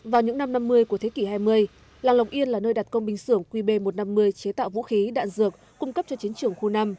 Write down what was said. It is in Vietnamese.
vào những năm năm mươi của thế kỷ hai mươi làng lộc yên là nơi đặt công binh xưởng qb một trăm năm mươi chế tạo vũ khí đạn dược cung cấp cho chiến trường khu năm